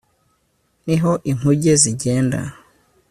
Ni ho inkuge zigenda